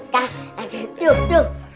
ding ding da